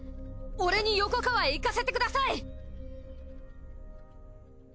俺に横川へ行かせてください！